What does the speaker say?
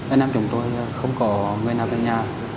anh em chúng tôi không có người nào về nhà